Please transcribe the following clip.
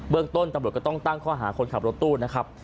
เรื่องต้นตำรวจก็ต้องตั้งข้อหาคนขับรถตู้นะครับ